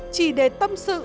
chỉ để tâm sự